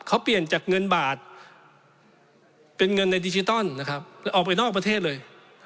เขาเปลี่ยนจากเงินบาทเป็นเงินในดิจิตอลนะครับแล้วออกไปนอกประเทศเลย